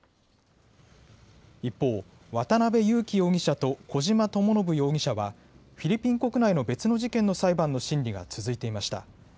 一方、渡邉優樹容疑者と小島智信容疑者はフィリピン国内の別の事件の裁判の審理が続いていました。